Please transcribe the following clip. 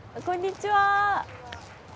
こんにちは。